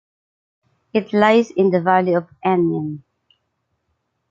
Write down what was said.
It lies in the valley of Aniene.